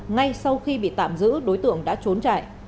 ngay sau khi bị tạm giữ đối tượng đã trốn chạy